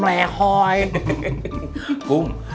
sebaiknya akus pelopelan anak yang ketiga